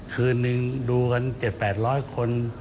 คืนนึงดูกัน๗๘๐๐คน